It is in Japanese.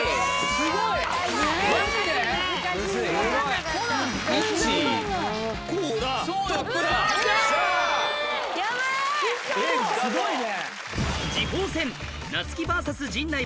すごいね！